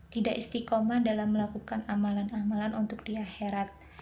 tidak istiqomah dalam melakukan amalan amalan untuk di akhirat